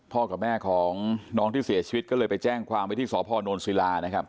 กับแม่ของน้องที่เสียชีวิตก็เลยไปแจ้งความไว้ที่สพนศิลานะครับ